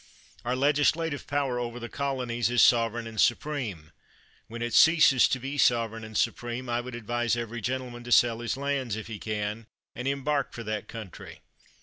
Our legislative power over the colonies is sovereign and supreme. When it ceases to be sovereign and supreme, I would advise every gentleman to sell his lands, if he can, and embark for that country.